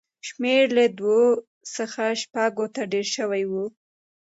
شمېر یې له دوو څخه شپږو ته ډېر شوی و